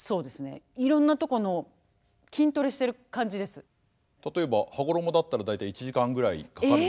すごいね例えば「羽衣」だったら大体１時間ぐらいかかるんですけど。